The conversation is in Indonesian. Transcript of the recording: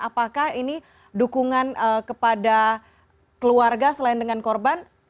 apakah ini dukungan kepada keluarga selain dengan korban